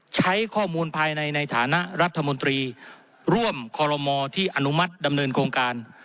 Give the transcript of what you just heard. ใช้ข้อมูลภายในในฐานะรัฐมนตรีร่วมคอรมอที่อนุมัติดำเนินโครงการ